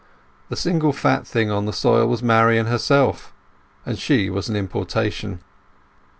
The single fat thing on the soil was Marian herself; and she was an importation.